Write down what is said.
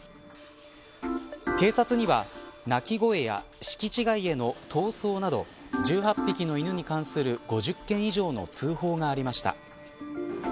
警察には、鳴き声や敷地外への逃走など１８匹の犬に関する５０件以上の通報がありました。